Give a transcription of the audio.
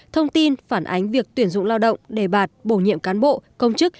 thông tin phản ánh việc tuyển dụng lao động đề bạt bổ nhiệm cán bộ công chức